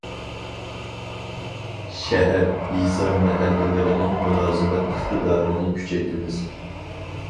شەھەر- يېزا مەھەللىلىرىنىڭ مۇلازىمەت ئىقتىدارىنى كۈچەيتىمىز.